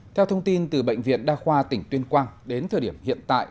theo thông tin từ bệnh viện đa khoa tỉnh tuyên quang đến thời điểm hiện tại